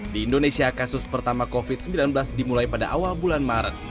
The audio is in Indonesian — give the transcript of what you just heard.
di indonesia kasus pertama covid sembilan belas dimulai pada awal bulan maret